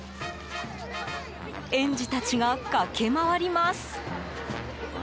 園児たちが駆け回ります。